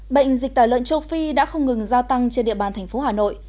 bệnh dịch tả lợn châu phi đã không ngừng gia tăng trên địa bàn thành phố hà nội